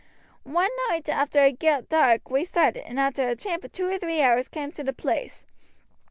One night arter it got dark we started, and arter a tramp of two or three hours cam' to the place.